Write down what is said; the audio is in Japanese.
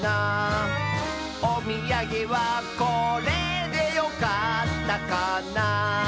「おみやげはこれでよかったかな」